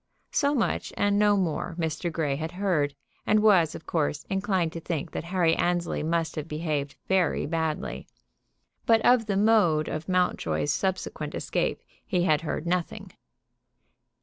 So much and no more Mr. Grey had heard, and was, of course, inclined to think that Harry Annesley must have behaved very badly. But of the mode of Mountjoy's subsequent escape he had heard nothing.